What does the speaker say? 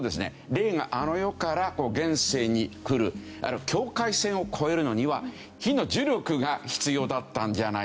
霊があの世から現世に来る境界線を越えるのには火の呪力が必要だったんじゃないか。